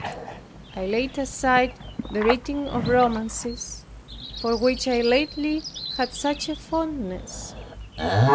I laid aside the reading of romances, for which I lately had such a fondness.